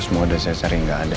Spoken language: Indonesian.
semua udah saya cari gak ada